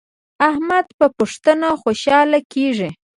احمد په پښتنه خوشحاله کیږي.